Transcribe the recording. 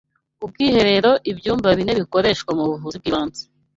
ubwiherero, ibyumba bine bikoreshwa mu buvuzi bw’ibanze